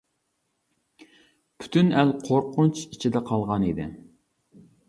پۈتۈن ئەل قورقۇنچ ئىچىدە قالغان ئىدى.